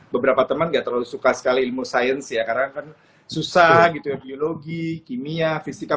beberapa teman gak terlalu suka sekali ilmu sains ya karena kan susah gitu ya biologi kimia fisika